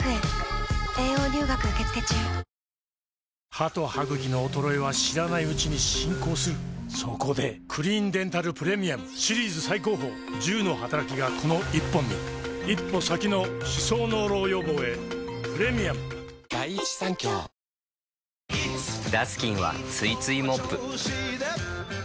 歯と歯ぐきの衰えは知らないうちに進行するそこで「クリーンデンタルプレミアム」シリーズ最高峰１０のはたらきがこの１本に一歩先の歯槽膿漏予防へプレミアム大人を旅する不思議なエレベーターサッカーとは？